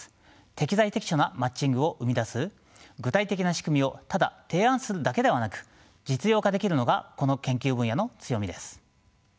適材適所なマッチングを生み出す具体的な仕組みをただ提案するだけではなく実用化できるのがこの研究分野の強みです。